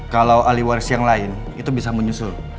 kalau ahli waris yang lain itu bisa menyusul